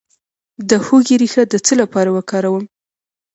د هوږې ریښه د څه لپاره وکاروم؟